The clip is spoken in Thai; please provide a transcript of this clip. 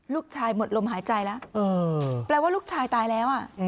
ลูกชายหมดลมหายใจแล้วแปลว่าลูกชายตายแล้ว